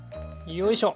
よいしょ。